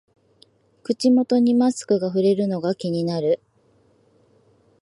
口元にマスクがふれるのが気になる